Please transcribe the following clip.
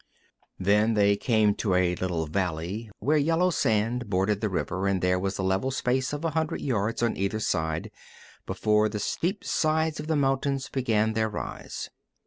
Then they came to a little valley, where yellow sand bordered the river and there was a level space of a hundred yards on either side before the steep sides of the mountains began their rise.